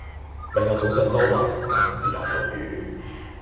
明日早上多雲，間中時間有雨